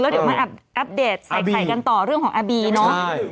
เดี๋ยวมาอัปเดตใส่ไข่กันต่อเรื่องของอาบีเนาะ